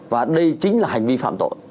và đây chính là hành vi phạm tội